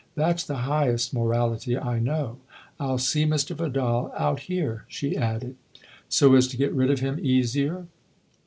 That's the highest morality I know. I'll see Mr. Vidal out here/' she added. " So as to get rid of him easier